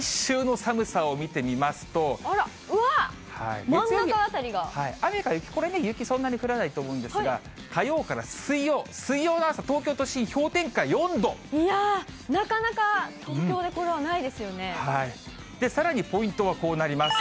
あら、うわっ、雨か雪、これ、雪、そんなに降らないと思うんですが、火曜から水曜、水曜の朝、いやー、なかなか東京でこれさらにポイントはこうなります。